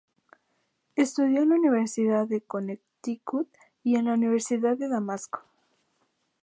Estudió en la Universidad de Connecticut y en la Universidad de Damasco.